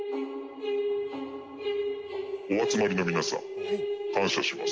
お集まりの皆さん、感謝します。